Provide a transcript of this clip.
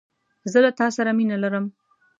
زه له تا سره مینه لرم